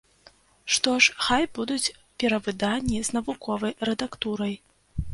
Што ж, хай будуць перавыданні, з навуковай рэдактурай.